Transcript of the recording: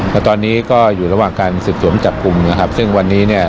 แล้วตอนนี้ก็อยู่ระหว่างการสืบสวนจับกลุ่มนะครับซึ่งวันนี้เนี่ย